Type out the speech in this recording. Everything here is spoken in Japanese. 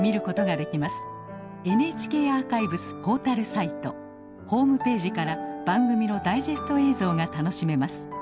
ＮＨＫアーカイブスポータルサイトホームページから番組のダイジェスト映像が楽しめます。